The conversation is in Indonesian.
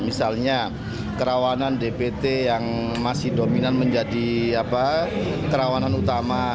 misalnya kerawanan dpt yang masih dominan menjadi kerawanan utama